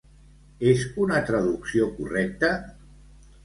És una traducció correcta?